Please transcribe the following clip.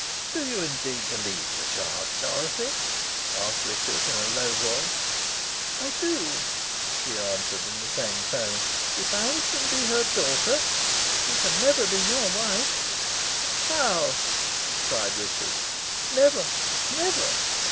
"Do you indeed believe the charge, Dorothy?" asked Richard, in a low voice. "I do," she answered in the same tone. "If Alizon be her daughter, she can never be your wife." "How?" cried Richard. "Never never!"